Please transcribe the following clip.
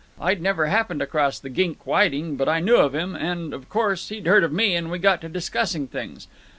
I'd never happened across the gink Whiting, but I knew of him, and, of course, he'd heard of me, and we got to discussing things.